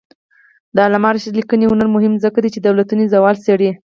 د علامه رشاد لیکنی هنر مهم دی ځکه چې دولتونو زوال څېړي.